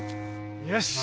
よし。